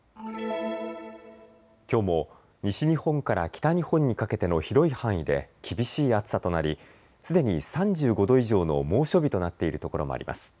きょうも西日本から北日本にかけての広い範囲で厳しい暑さとなり、すでに３５度以上の猛暑日となっているところもあります。